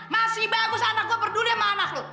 masih bagus anak gua berdiri sama anak lu